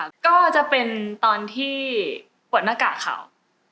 พริกใส่เด้อนาคารเปิดหน้ากากข่าว